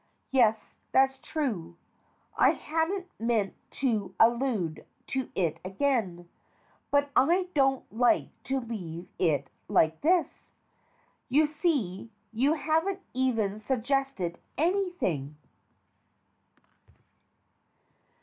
Yes, that's true. I hadn't meant to allude to it again. But I don't like to leave it like this. You see, you haven't even suggested anything.